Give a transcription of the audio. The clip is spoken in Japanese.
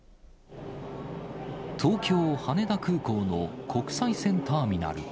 東京・羽田空港の国際線ターミナル。